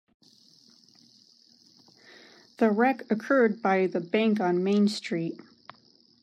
The wreck occurred by the bank on Main Street.